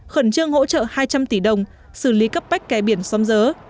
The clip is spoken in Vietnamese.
khẩn trương hỗ trợ hai trăm linh tỷ đồng xử lý cấp bách kè biển xóm dớ